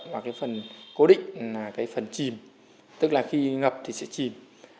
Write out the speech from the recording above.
và phần cố định là phần chìm tức là khi ngập thì sẽ chìm